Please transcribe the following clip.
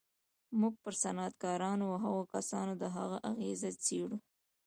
موږ پر صنعتکارانو او هغو کسانو د هغه اغېز څېړو